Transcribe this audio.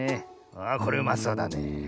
ああこれうまそうだねえ。